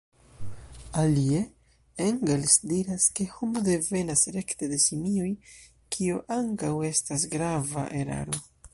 Alie, Engels diras ke homo devenas rekte de simioj, kio ankaŭ estas grava eraro.